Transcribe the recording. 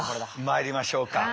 まいりましょうか。